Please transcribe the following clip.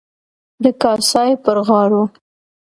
د کاسای پر غاړو.